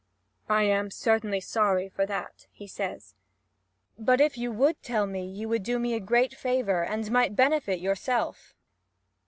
"I am certainly sorry, for that," he says; "but if you would tell me, you would do me a great favour, and might benefit yourself.